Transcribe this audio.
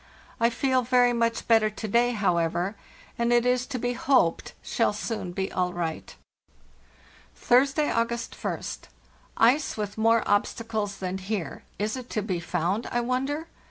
I feel very much better to day, however, and it is to be hoped shall soon be all right. "Thursday, August ist. Ice with more obstacles than here—is it to be found, I wonder?